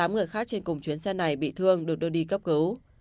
tám người khác trên cùng chuyến xe này bị thương được đưa đi cấp cứu